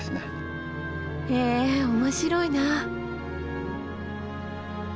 へえ面白いな。